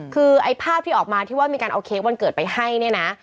คือไอ้ภาพที่ออกมาที่ว่ามีการเอาเค้กวันเกิดไปให้เนี่ยนะ